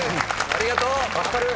ありがとう！